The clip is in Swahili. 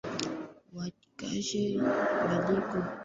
wachache yaliyopewa hadhi ya pekee kwa sababu ni maeneo